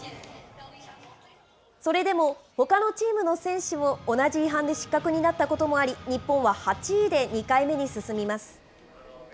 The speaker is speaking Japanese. それでもほかのチームの選手も同じ違反で失格になったこともあり、日本は８位で２回目に進みます。